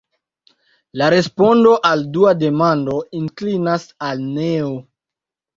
La respondo al la dua demando inklinas al neo.